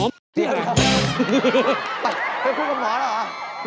ไปพูดกับหมาเหรอ